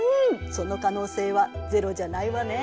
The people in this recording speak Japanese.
その可能性はゼロじゃないわね。